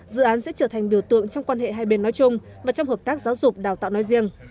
dự án sẽ trở thành biểu tượng trong quan hệ hai bên nói chung và trong hợp tác giáo dục đào tạo nói riêng